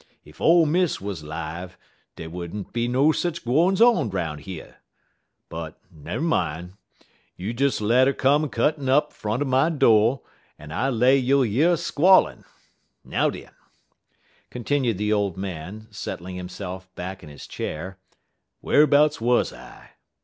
Ef ole Miss wuz 'live, dey would n't be no sech gwines on 'roun' yer. But nummine. You des let 'er come a cuttin' up front er my do', en I lay you'll year squallin'. Now, den," continued the old man, settling himself back in his chair, "wharbouts wuz I?"